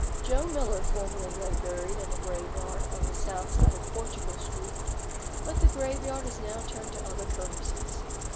Joe Miller formerly lay buried in a graveyard on the south side of Portugal Street, but the graveyard is now turned to other purposes.